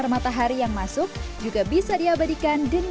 penerangan dari stasiun layang ini penerangan dari stasiun layang ini